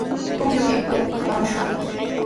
Pukyupita yakuta apamushun.